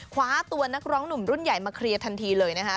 คว้าตัวนักร้องหนุ่มรุ่นใหญ่มาเคลียร์ทันทีเลยนะคะ